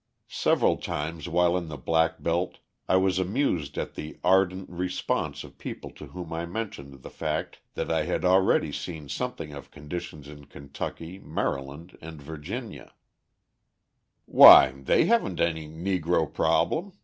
Several times while in the black belt I was amused at the ardent response of people to whom I mentioned the fact that I had already seen something of conditions in Kentucky, Maryland, and Virginia: "Why, they haven't any Negro problem.